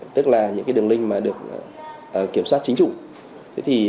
tức là những đường link mà được kiểm soát chính chủ